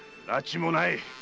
埒もない。